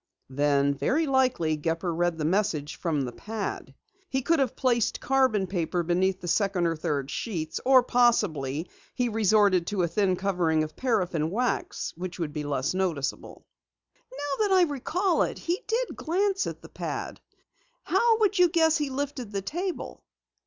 "Then very likely Gepper read the message from the pad. He could have placed carbon paper beneath the second or third sheets. Possibly he resorted to a thin covering of paraffin wax which would be less noticeable." "Now that I recall it, he did glance at the pad! How would you guess he lifted the table?"